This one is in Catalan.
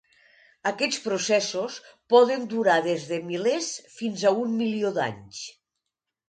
Aquests processos poden durar des de milers fins a un milió d'anys.